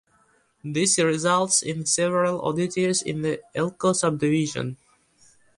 This results in several oddities in the Elko Subdivision.